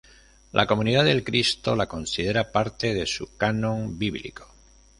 La Comunidad de Cristo la considera parte de su canon bíblico.